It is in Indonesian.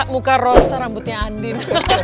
muka rosa rambutnya andin